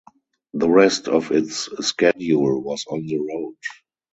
The rest of its schedule was on the road.